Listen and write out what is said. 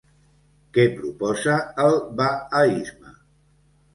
Què proposa el bahaisme?